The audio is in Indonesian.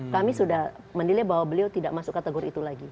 kami sudah menilai bahwa beliau tidak masuk kategori itu lagi